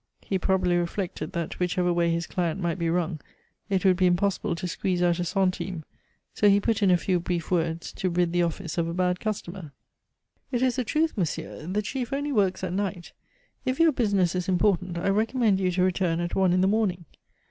He probably reflected that whichever way his client might be wrung, it would be impossible to squeeze out a centime, so he put in a few brief words to rid the office of a bad customer. "It is the truth, monsieur. The chief only works at night. If your business is important, I recommend you to return at one in the morning."